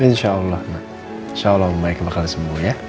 insyaallah insyaallah membaik bakal sembuh ya